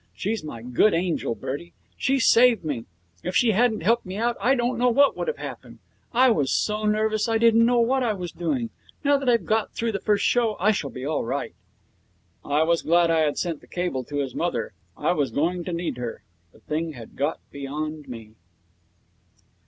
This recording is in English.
She's my good angel, Bertie. She saved me. If she hadn't helped me out I don't know what would have happened. I was so nervous I didn't know what I was doing. Now that I've got through the first show I shall be all right.' I was glad I had sent that cable to his mother. I was going to need her. The thing had got beyond me.